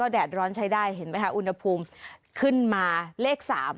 แดดร้อนใช้ได้เห็นไหมคะอุณหภูมิขึ้นมาเลข๓